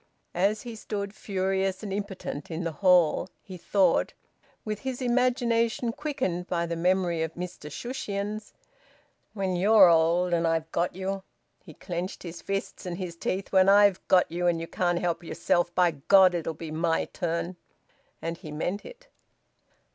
As he stood furious and impotent in the hall, he thought, with his imagination quickened by the memory of Mr Shushions: "When you're old, and I've got you" he clenched his fists and his teeth "when I've got you and you can't help yourself, by God it'll be my turn!" And he meant it.